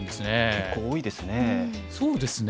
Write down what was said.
結構多いですね。